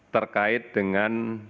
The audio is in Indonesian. terkait dengan kasus konfirmasi